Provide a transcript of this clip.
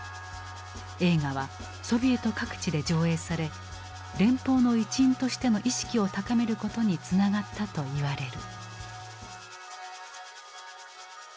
映画はソビエト各地で上映され連邦の一員としての意識を高めることにつながったといわれる。